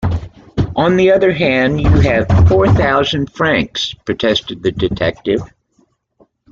"On the other hand you have four thousand francs," protested the detective.